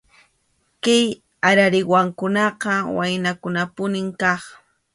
Kay arariwakunaqa waynakunapunim kaq.